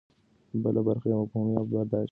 بله برخه یې مفهومي او برداشتي ده.